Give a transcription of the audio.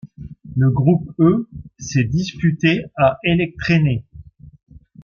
Le groupe E s'est disputé à Elektrenai.